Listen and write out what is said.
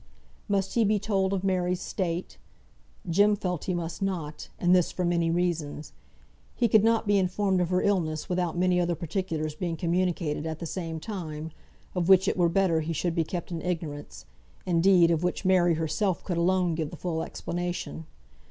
Must he be told of Mary's state? Jem felt he must not; and this for many reasons. He could not be informed of her illness without many other particulars being communicated at the same time, of which it were better he should be kept in ignorance; indeed, of which Mary herself could alone give the full explanation.